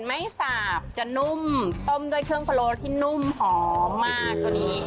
ไม่สาบจะนุ่มต้มด้วยเครื่องพะโลที่นุ่มหอมมากตัวนี้